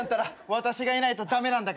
私がいないと駄目なんだから。